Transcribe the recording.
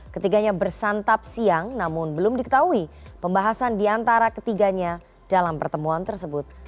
ketiganya bersantap siang namun belum diketahui pembahasan di antara ketiganya dalam pertemuan tersebut